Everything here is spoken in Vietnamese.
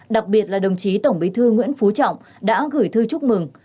đặc biệt là đồng chí tổng bí thư nguyễn phú trọng đã gửi thư chúc mừng